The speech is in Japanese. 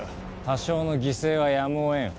多少の犠牲はやむをえん。